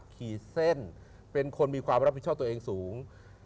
ขีดเส้นเป็นคนมีความรับผิดชอบตัวเองสูง